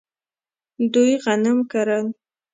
دوی غنم کرل.